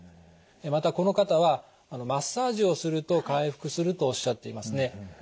またこの方はマッサージをすると回復するとおっしゃっていますね。